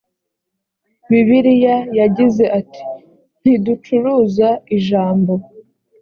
bibiliya yagize ati ntiducuruza ijambo.